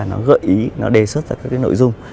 nó gợi ý nó đề xuất ra các cái nội dung